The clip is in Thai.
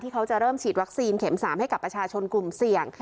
เขาจะเริ่มฉีดวัคซีนเข็ม๓ให้กับประชาชนกลุ่มเสี่ยง